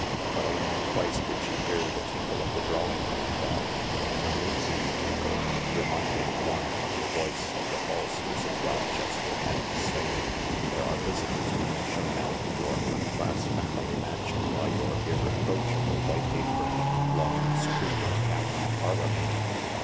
But only twice did she hear the tinkle of the drawing room bell— a mincing tinkle, remind ing one of the voice of the false Mrs. Rochester, and saying, " There are visitors being shown out of your high class family mansion by your irreproachable, white^aproned, long streamer capped parlourmaid."